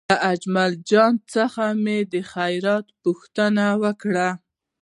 له اجمل جان څخه مې د خیریت پوښتنه وکړه.